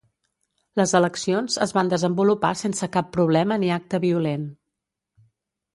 Les eleccions es van desenvolupar sense cap problema ni acte violent.